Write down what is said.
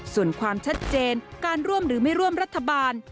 ส่วนความชัดเจนการร่วมหรือไม่ร่วมรัฐบาล